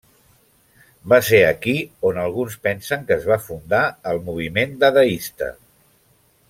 Va ser aquí on alguns pensen que es va fundar el moviment dadaista.